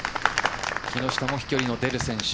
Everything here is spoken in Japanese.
木下も飛距離の出る選手。